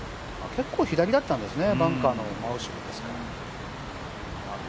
結構左だったんですね、バンカーの真後ろですから。